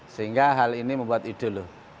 sehingga hal ini membuat ide loh